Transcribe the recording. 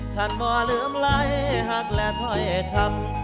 ท่านบ่เริ่มไหลหักและถอยคำ